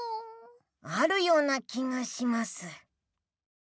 あるような気がします。